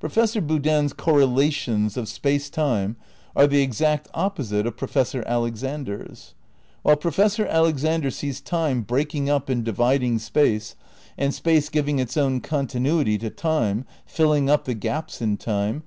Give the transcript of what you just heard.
Professor Boodin's correlations of Space Time are the exact opposite of Professor Alexander's.^ While Professor Alexander sees time breaking up and divid ing space, and space giving its own continuity to time, filling up the gaps in time.